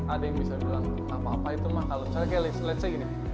ada yang bisa bilang apa apa itu mahal misalnya kayak leceh gini